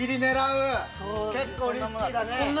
結構リスキーだね。